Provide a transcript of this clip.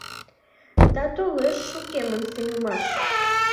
Да толеш шукемын сеҥымаш